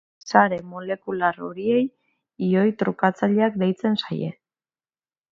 Sare molekular horiei ioi trukatzaileak deitzen zaie.